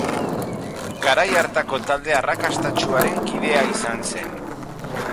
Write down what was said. Garai hartako talde arrakastatsuaren kidea izan zen.